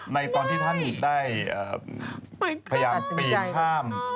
ในตอนที่ท่านหยุดได้พยายามปีนภาพ